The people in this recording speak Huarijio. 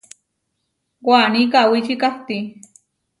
Waní kawíci kahtí.